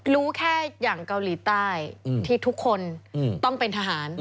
รู้แค่อย่างเกาหลีใต้ที่ทุกคนต้องเป็นทหาร